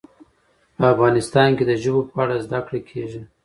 په افغانستان کې د ژبو په اړه زده کړه کېږي.